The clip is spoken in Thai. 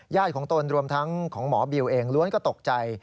ของตนรวมทั้งของหมอบิวเองล้วนก็ตกใจ